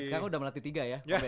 sekarang udah melatih tiga ya